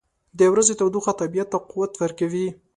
• د ورځې تودوخه طبیعت ته قوت ورکوي.